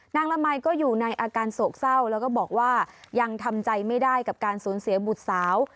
ละมัยก็อยู่ในอาการโศกเศร้าแล้วก็บอกว่ายังทำใจไม่ได้กับการสูญเสียบุตรสาว